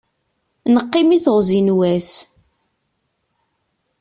Neqqim i teɣzi n wass.